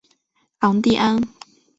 昂蒂安。